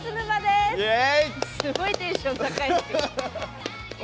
すごいテンション高い。